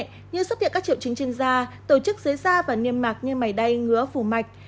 như xuất hiện các triệu chứng trên da tổ chức dưới da và niêm mạc như máy đay ngứa phủ mạch